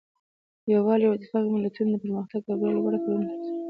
یووالی او اتفاق ملتونه د پرمختګ او بریا لوړو پوړونو ته رسوي.